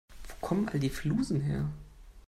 Wo kommen all die Flusen her?